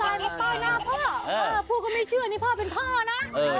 ว่าพูดก็ไม่เชื่อนี่พ่อเป็นพ่อนะ